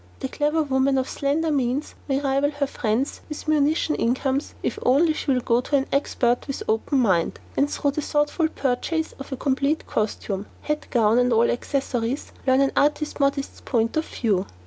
The clever woman of slender means may rival her friends with munition incomes, if only she will go to an expert with open mind, and through the thoughtful purchase of a completed costume, hat, gown and all accessories, learn an artist modiste's point of view.